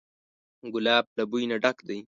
ګلاب له بوی نه ډک دی.